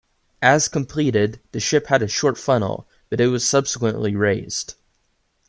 As completed the ship had a short funnel but it was subsequently raised.